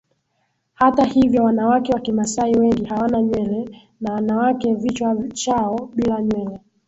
Hata hivyo wanawake wa Kimasai wengi hawana nywele na wanaweka vichwa chao bila nywele